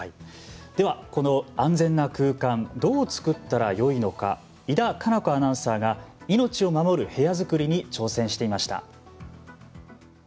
では、この安全な空間どう作ったらよいのか井田香菜子アナウンサーが「命を守る部屋づくり！」に挑戦してみました。